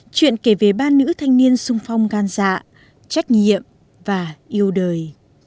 chuyện kể về ba nữ thanh niên sung phong gan dạ trách nhiệm và yêu đời